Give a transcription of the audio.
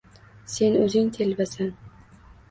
Sen o’zing telbasan!..